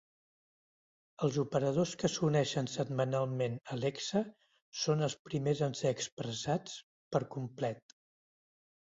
Els operadors que s"uneixen setmanalment a LexA són els primers en ser expressats per complet.